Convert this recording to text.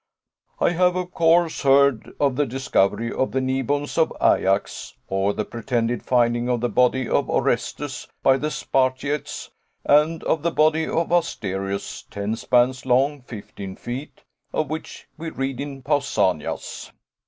I have, of course, heard of the discovery of the kneebones of Ajax, of the pretended finding of the body of Orestes by the Spartiates, and of the body of Asterius, ten spans long, fifteen feet of which we read in Pausanias.